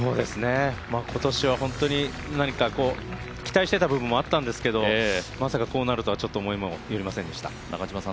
今年は本当に何か期待してた部分もあったんですけどまさかこうなるとは、ちょっと思いもよりませんでした。